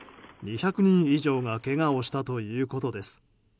２００人以上がけがをしたということです。